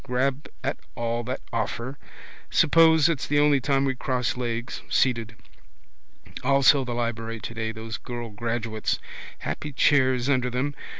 Grab at all that offer. Suppose it's the only time we cross legs, seated. Also the library today: those girl graduates. Happy chairs under them.